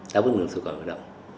đã bước được sự cầu hội động